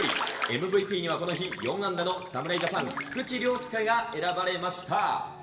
ＭＶＰにはこの日、４安打の侍ジャパン、菊池涼介が選ばれました。